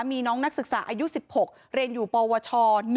มีน้องนักศึกษาอายุ๑๖เรียนอยู่ปวช๑